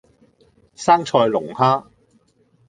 生菜龍蝦